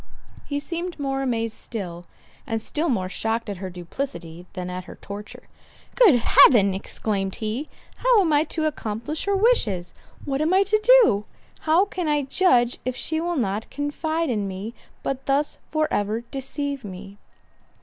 He seemed more amazed still—and still more shocked at her duplicity than at her torture. "Good Heaven!" exclaimed he, "How am I to accomplish her wishes? What am I to do? How can I judge, if she will not confide in me, but thus for ever deceive me?"